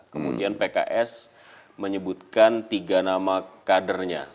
kemudian pks menyebutkan tiga nama kadernya